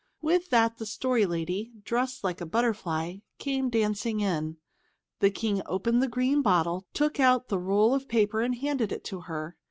With that the Story Lady, dressed like a butterfly, came dancing in. The King opened the green bottle, took out the roll of paper and handed it to her.